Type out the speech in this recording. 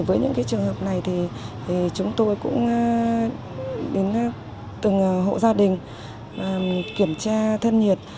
với những trường hợp này chúng tôi cũng đến từng hộ gia đình kiểm tra thân nhiệt